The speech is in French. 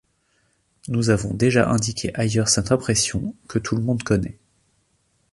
Nous avons déjà indiqué ailleurs cette impression, que tout le monde connaît.